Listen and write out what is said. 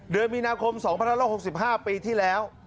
เดือนมีนาคม๒๑๖๕ปีที่แล้ว